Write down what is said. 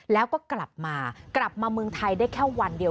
แล้วก็กลับมากลับมาเมืองไทยได้แค่วันเดียว